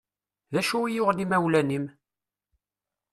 D acu i yuɣen imawlan-im?